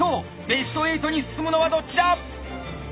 ベスト８に進むのはどっちだ？